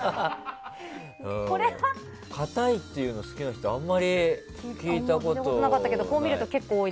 固いっていうの好きな人あんまり聞いたことない。